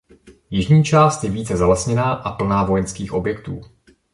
Jižní část je více zalesněná a plná vojenských objektů.